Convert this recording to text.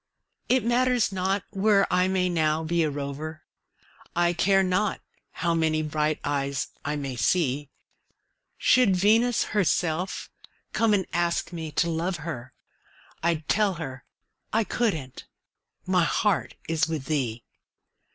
It matters not where I may now be a rover, I care not how many bright eyes I may see; Should Venus herself come and ask me to love her, I'd tell her I couldn't my heart is with thee.